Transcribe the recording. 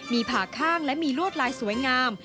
มีผ่าข้างและมีลวดลายสวยงาม